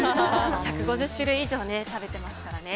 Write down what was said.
１５０種類以上食べてますからね。